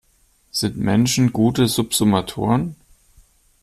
Sind Menschen gute Subsummatoren?